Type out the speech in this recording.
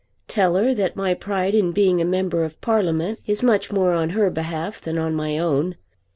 Tell her that my pride in being a member of Parliament is much more on her behalf than on my own.